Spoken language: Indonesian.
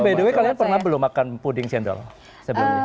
tapi by the way kalian pernah belum makan puding cendol sebelum ini